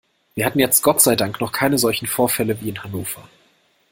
Wir hatten jetzt Gott sei Dank noch keine solchen Vorfälle wie in Hannover.